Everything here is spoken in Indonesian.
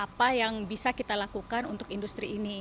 apa yang bisa kita lakukan untuk industri ini